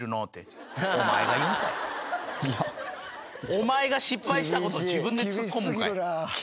お前が失敗したこと自分でツッコむんかい？